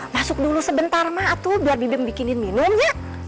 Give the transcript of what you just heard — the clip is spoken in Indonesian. masuk dulu sebentar ma atuh biar bibi membikinin minum ya